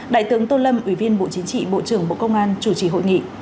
đại tướng tô lâm ủy viên bộ chính trị bộ trưởng bộ công an chủ trì hội nghị